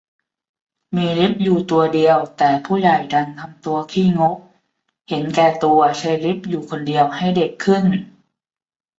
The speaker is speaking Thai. มีลิฟต์อยู่ตัวเดียว แต่ผู้ใหญ่ดันทำตัวขี้งกเห็นแก่ตัวใช้ลิฟต์อยู่คนเดียว ให้เด็กขึ้น